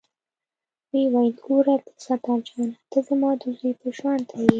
ويې ويل ګوره عبدالستار جانه ته زما د زوى په شانتې يې.